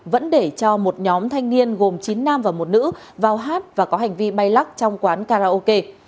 vẫn để cho một nhóm thanh niên gồm chín nam và một nữ vào hát và có hành vi bay lắc trong quán karaoke